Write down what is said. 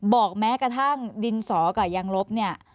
แม้กระทั่งดินสอกับยังลบเนี่ย